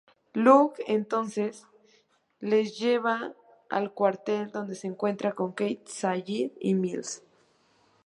Locke entonces les lleva al cuartel, donde se encuentran con Kate, Sayid, y Miles.